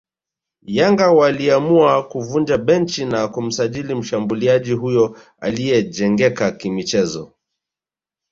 Yanga waliamua kuvunja benchi na kumsajili mshambuliaji huyo aliyejengeka kimichezo